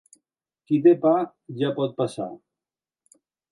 Qui té pa ja pot passar.